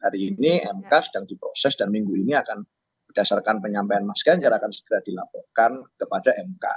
hari ini mk sedang diproses dan minggu ini akan berdasarkan penyampaian mas ganjar akan segera dilaporkan kepada mk